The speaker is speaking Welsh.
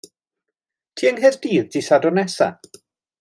Ti yng Nghaerdydd dydd Sadwrn nesa?